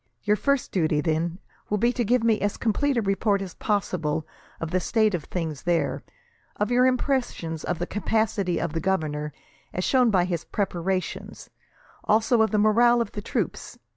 Your first duty, then, will be to give me as complete a report as possible of the state of things there; of your impressions of the capacity of the governor, as shown by his preparations; also of the morale of the troops.